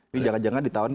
ini jangan jangan ditawarin